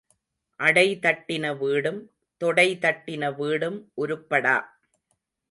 அடைதட்டின வீடும் தொடை தட்டின வீடும் உருப்படா.